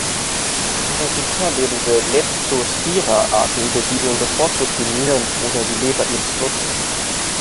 Parasitär lebende "Leptospira"-Arten besiedeln bevorzugt die Nieren oder die Leber ihres Wirtes.